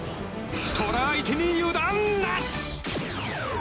虎相手に油断なし！